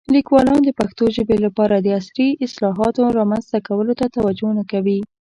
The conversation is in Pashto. لیکوالان د پښتو ژبې لپاره د عصري اصطلاحاتو رامنځته کولو ته توجه نه کوي.